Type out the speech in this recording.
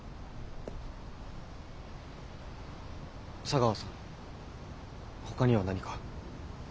茶川さんほかには何か。